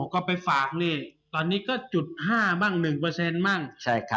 ก็ไปฝากหลิตอนนี้ก็จุดห้าหรือหนึ่งเปอร์เซ็นต์มั่ง